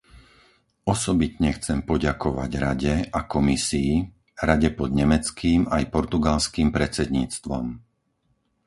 Osobitne chcem poďakovať Rade a Komisii, Rade pod nemeckým aj portugalským predsedníctvom.